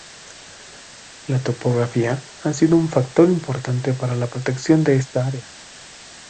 La topografía ha sido un factor importante para la protección de esta área.